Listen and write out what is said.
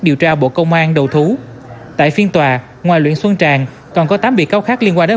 điều tra bộ công an đầu thú tại phiên tòa ngoài luyện xuân tràng còn có tám vị câu khác liên quan đến